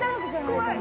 怖い！